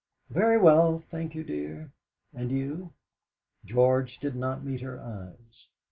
"Very well, thank you, dear. And you?" George did not meet her eyes.